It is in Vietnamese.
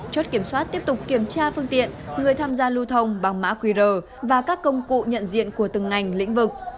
chốt kiểm soát tiếp tục kiểm tra phương tiện người tham gia lưu thông bằng mã qr và các công cụ nhận diện của từng ngành lĩnh vực